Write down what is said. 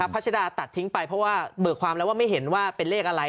พัชดาตัดทิ้งไปเพราะว่าเบิกความแล้วว่าไม่เห็นว่าเป็นเลขอะไร